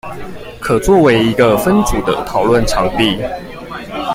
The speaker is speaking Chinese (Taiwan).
可作為一個分組討論的場地